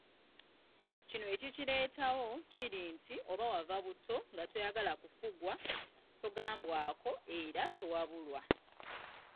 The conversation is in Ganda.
Kino ekikireetawo kiri nti oba wava buto nga toyagala kufugwa, togambwako era towabulwa.